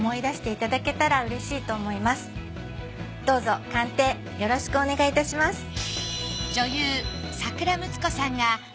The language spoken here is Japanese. どうぞ鑑定よろしくお願いいたします。